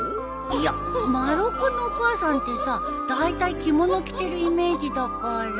いや丸尾君のお母さんってさだいたい着物着てるイメージだから。